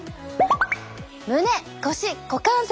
胸腰股関節。